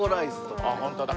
あっホントだ。